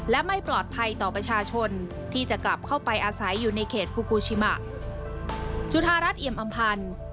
และไม่ปลอดภัยต่อประชาชนที่จะกลับเข้าไปอาศัยอยู่ในเขตฟุกูชิมะ